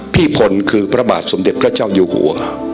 พลคือพระบาทสมเด็จพระเจ้าอยู่หัว